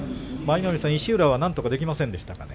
石浦はなんとかできませんでしたかね。